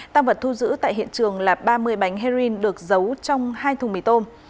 tăng vật thu giữ tại hiện trường là ba mươi bánh heroin được giấu trong hai thùng mì tôm